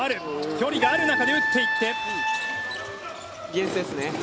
距離がある中で打っていって。